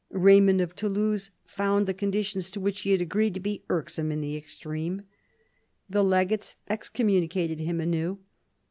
Eaymond of Toulouse found the conditions to which he had agreed to be irksome in the extreme. The legates excommunicated him anew.